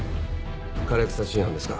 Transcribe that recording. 快楽殺人犯ですか？